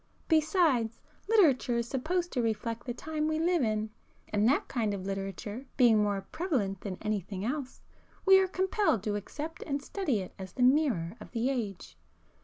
Besides, literature is supposed to reflect the time we live in,—and that kind of literature being more prevalent than anything else, we are compelled to accept and study it as the mirror of the age."